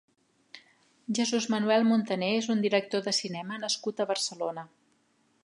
Jesús Manuel Montané és un director de cinema nascut a Barcelona.